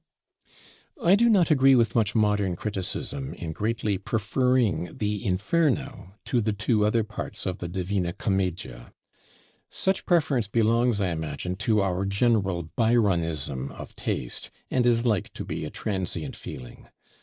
I do not agree with much modern criticism, in greatly preferring the Inferno to the two other parts of the 'Divina Commedia.' Such preference belongs, I imagine, to our general Byronism of taste, and is like to be a transient feeling.